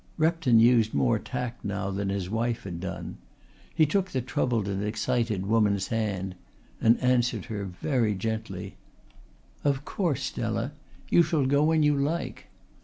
Repton used more tact now than his wife had done. He took the troubled and excited woman's hand and answered her very gently: "Of course, Stella. You shall go when you like."